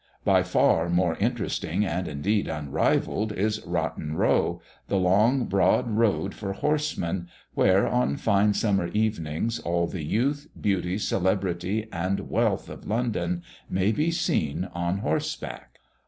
By far more interesting, and indeed unrivalled, is Rotten row, the long broad road for horsemen, where, on fine summer evenings, all the youth, beauty, celebrity, and wealth of London may be seen on horse back.